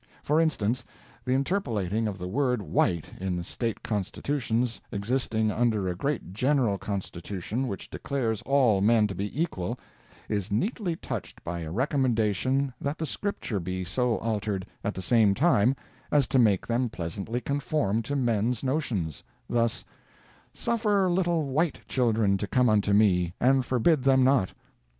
For instance, the interpolating of the word white in State Constitutions existing under a great general Constitution which declares all men to be equal, is neatly touched by a recommendation that the Scriptures be so altered, at the same time, as to make them pleasantly conform to men's notions—thus: "Suffer little white children to come unto me, and forbid them not!"